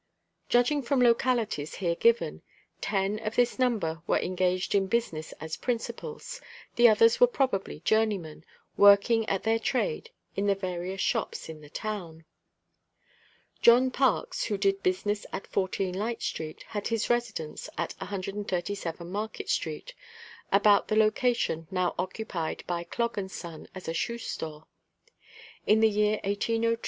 Judging from localities here given, ten of this number were engaged in business as principals, the others were probably journeymen, working at their trade in the various shops in the town. JOHN PARKS, who did business at 14 Light street, had his residence at 137 Market street, about the location now occupied by Clogg & Son as a Shoe store. In the year 1802, No.